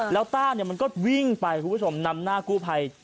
แล้วต้าเนี่ยมันก็วิ่งไปคุณผู้ชมนำหน้ากู้ภัย